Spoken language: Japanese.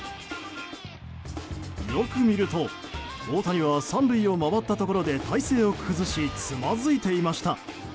よく見ると大谷は３塁を回ったところで体勢を崩しつまずいていました。